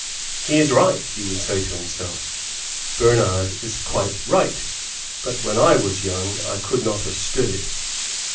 "He is right," he would say to himself; "Bernard is quite right. But when I was young I could not have stood it.